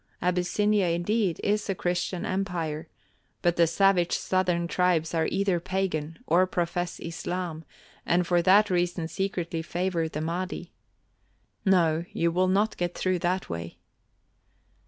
Abyssinia indeed is a Christian empire, but the savage southern tribes are either pagan or profess Islam and for that reason secretly favor the Mahdi, No, you will not get through that way."